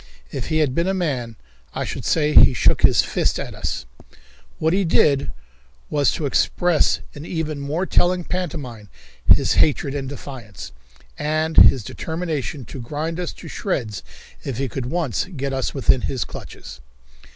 If he had been a man I should say he shook his fist at us. What he did was to express in even more telling pantomime his hatred and defiance, and his determination to grind us to shreds if he could once get us within his clutches.